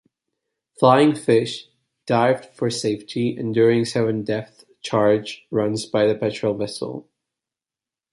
"Flying Fish" dived for safety, enduring seven depth charge runs by the patrol vessel.